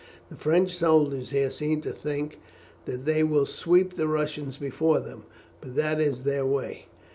"The French soldiers here seem to think that they will sweep the Russians before them, but that is their way.